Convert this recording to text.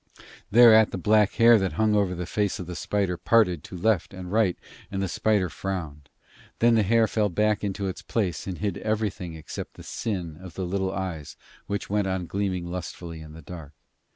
Thereat the black hair that hung over the face of the spider parted to left and right, and the spider frowned; then the hair fell back into its place, and hid everything except the sin of the little eyes which went on gleaming lustfully in the dark.